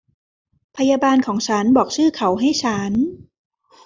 พยาบาลของฉันบอกชื่อเขาให้ฉัน